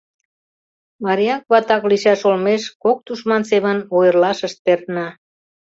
Марияк-ватак лийшаш олмеш кок тушман семын ойырлашышт перна.